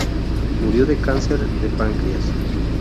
Murió de cáncer de páncreas.